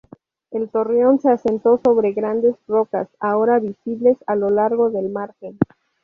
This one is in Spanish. El torreón se asentó sobre grandes rocas, ahora visibles a lo largo del margen.